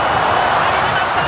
入りました！